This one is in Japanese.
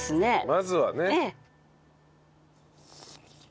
まずはね。